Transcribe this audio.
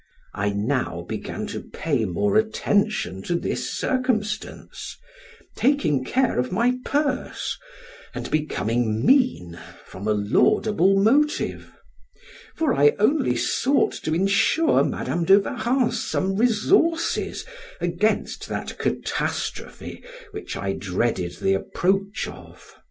I now began to pay more attention to this circumstance, taking care of my purse, and becoming mean from a laudable motive; for I only sought to insure Madam de Warrens some resources against that catastrophe which I dreaded the approach of.